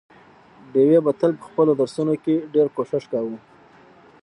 ډېوې به تل په خپلو درسونو کې ډېر کوښښ کاوه،